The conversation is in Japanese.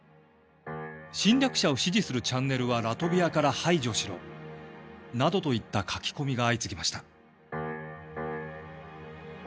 「侵略者を支持するチャンネルはラトビアから排除しろ」などといった書き込みが相次ぎました。